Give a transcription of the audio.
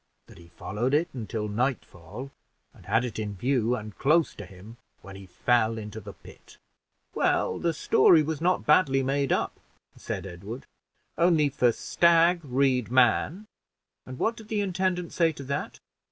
That he followed it until nightfall, and had it in view and close to him, when he fell into the pit." "Well, the story was not badly made up," said Edward, "only for a deer read man: and what did the intendant say to that?"